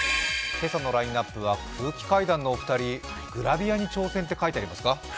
今朝のラインナップは、空気階段のお二人、グラビアに挑戦って書いてありますか。